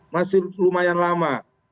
masih lumayan lama